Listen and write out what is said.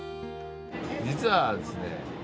実はですね